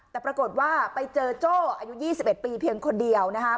แต่ปรากฏว่าไปเจอโจ้อายุ๒๑ปีเพียงคนเดียว